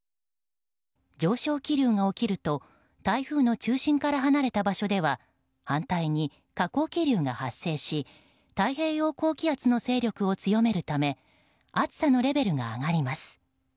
上昇気流が起きると台風の中心から離れた場所では反対に下降気流が発生し太平洋高気圧の勢力を強めるため暑さのレベルが上がります。